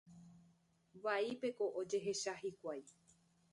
Vaípeko ojehecha hikuái.